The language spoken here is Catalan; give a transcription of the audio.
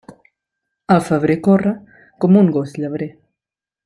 El febrer corre com un gos llebrer.